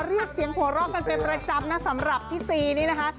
เรียกเสียงหัวเราะกันเป็นประจำนะสำหรับพี่ซีนี่นะคะ